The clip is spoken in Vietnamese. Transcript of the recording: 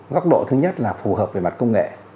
góc độ thứ nhất là phù hợp về mặt công nghệ